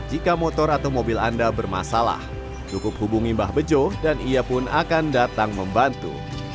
jika motor atau mobil anda bermasalah cukup hubungi mbah bejo dan ia pun akan datang membantu